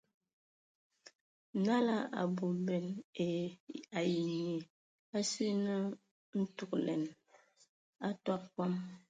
Nala a abɔbɛn ai mye osu ye a ntugəlɛn o a tɔbɔ kɔm.